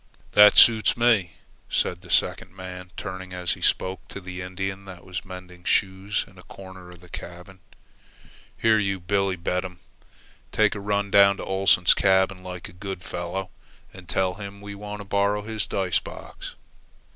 "That suits me," said the second man, turning, as he spoke, to the Indian that was mending snow shoes in a corner of the cabin. "Here, you Billebedam, take a run down to Oleson's cabin like a good fellow, and tell him we want to borrow his dice box."